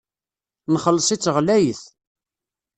Nxelleṣ-itt ɣlayet.